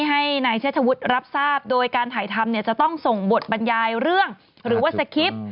ให้นายเชษฐวุฒิรับทราบโดยการถ่ายทำเนี่ยจะต้องส่งบทบรรยายเรื่องหรือว่าสคริปต์